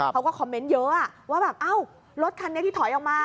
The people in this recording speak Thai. เขาก็คอมเมนต์เยอะว่าแบบเอ้ารถคันนี้ที่ถอยออกมา